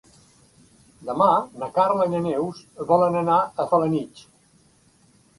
Demà na Carla i na Neus volen anar a Felanitx.